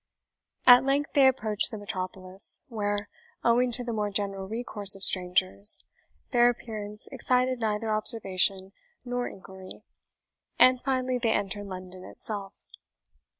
At length they approached the metropolis, where, owing to the more general recourse of strangers, their appearance excited neither observation nor inquiry, and finally they entered London itself.